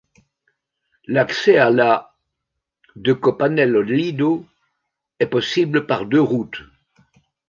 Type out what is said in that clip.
L'accès à la ' de Copanello Lido est possible par deux routes.